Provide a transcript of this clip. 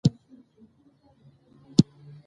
د ریګ دښتې د افغانستان د شنو سیمو ښکلا ده.